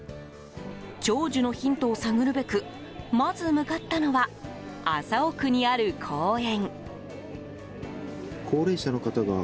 長寿のヒントを探るべくまず向かったのは麻生区にある公園。